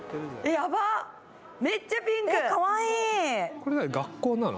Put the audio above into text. これ何学校なの？